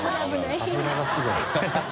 油がすごい。